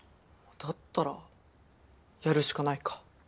だったらやるしかないか。